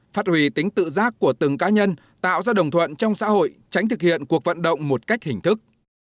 phát hủy tính tự giác của từng cá nhân tạo ra đồng thuận trong xã hội tránh thực hiện cuộc vận động một cách hình thức